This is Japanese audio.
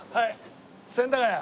千駄ヶ谷。